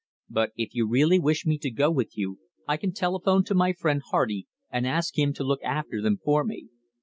"But if you really wish me to go with you I can telephone to my friend Hardy and ask him to look after them for me.